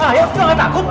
ah ya sudah gak takut